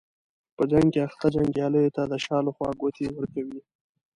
په جنګ کې اخته جنګیالیو ته د شا له خوا ګوتې ورکوي.